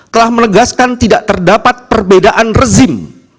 telah menegaskan tidak terdapat perbedaan rezim